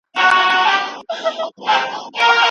ولي د دوه ګوني تابعیت اجازه شته؟